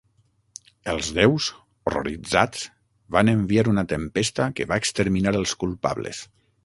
Els déus, horroritzats, van enviar una tempesta que va exterminar els culpables.